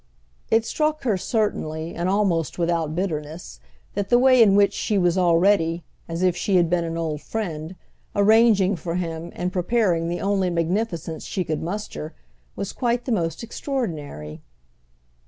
It struck her certainly—and almost without bitterness—that the way in which she was already, as if she had been an old friend, arranging for him and preparing the only magnificence she could muster, was quite the most extraordinary.